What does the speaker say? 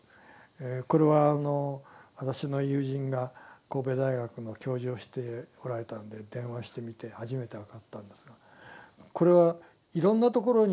これは私の友人が神戸大学の教授をしておられたんで電話してみて初めて分かったんですがこれはいろんなところに電話した。